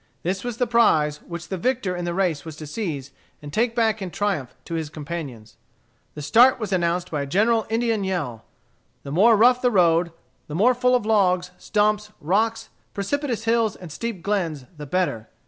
This was the prize which the victor in the race was to seize and take back in triumph to his companions. The start was announced by a general Indian yell. The more rough the road the more full of logs, stumps, rocks, precipitous hills, and steep glens, the better.